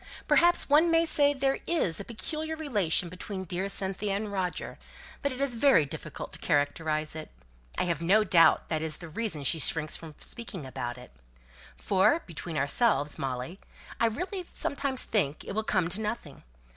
Perhaps one may say there is a peculiar relation between dear Cynthia and Roger, but it is very difficult to characterize it; I have no doubt that is the reason she shrinks from speaking about it. For, between ourselves, Molly, I really sometimes think it will come to nothing.